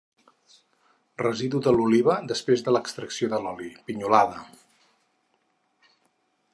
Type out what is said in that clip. Residu de l'oliva després de l'extracció de l'oli, pinyolada.